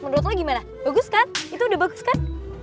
menurut lo gimana bagus kan itu udah bagus kan